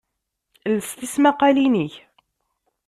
Els tismaqalin-ik!